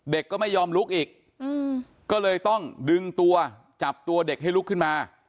ก็ไม่ยอมลุกอีกก็เลยต้องดึงตัวจับตัวเด็กให้ลุกขึ้นมา